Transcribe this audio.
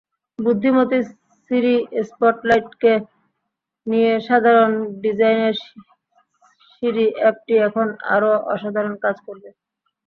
বুদ্ধিমতী সিরি স্পটলাইটকে নিয়েসাধারণ ডিজাইনের সিরি অ্যাপটি এখন আরও অসাধারণ কাজ করবে।